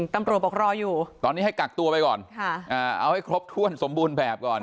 ตำรวจบอกรออยู่ตอนนี้ให้กักตัวไปก่อนเอาให้ครบถ้วนสมบูรณ์แบบก่อน